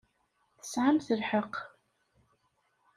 Tesɛamt lḥeqq.